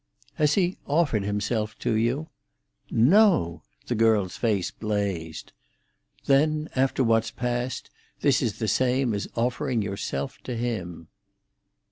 "Has he offered himself to you?" "No!" the girl's face blazed. "Then, after what's passed, this is the same as offering yourself to him."